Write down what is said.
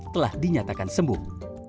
telah dinyatakan sembuh